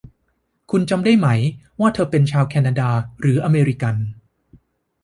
คุณจำได้ไหมว่าเธอเป็นชาวแคนาดาหรืออเมริกัน